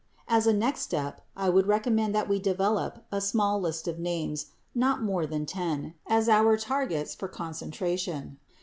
As a next step, I would recommend that we develop a small list of names — not more than ten — as our targets for concen tration.